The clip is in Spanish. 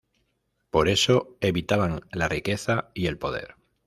Por eso evitaban la riqueza y el poder.